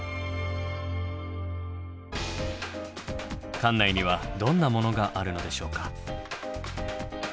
館内にはどんなものがあるのでしょうか？